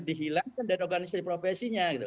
dihilangkan dari organisasi profesinya